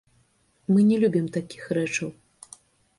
Мы не любім такіх рэчаў.